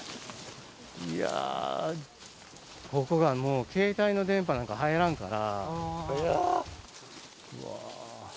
いやぁ、ここはもう携帯の電波なんか入らんから。